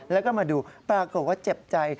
แล้วก็มาดูปรากฏว่าเจ็บใจ